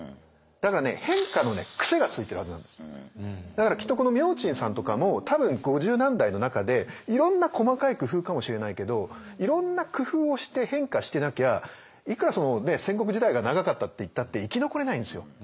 だからきっとこの明珍さんとかも多分五十何代の中でいろんな細かい工夫かもしれないけどいろんな工夫をして変化してなきゃいくら戦国時代が長かったっていったって生き残れないんですよ。